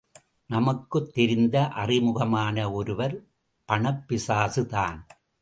நமக்குத் தெரிந்த அறிமுகமான ஒருவர் பணப் பிசாசுதான்!